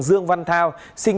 dương văn phong